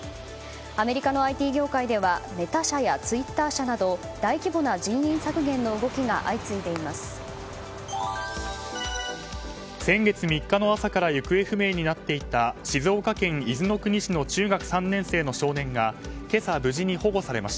アメリカのＩＴ業界ではメタ社やツイッター社など大規模な人員削減の動きが相次いでいます。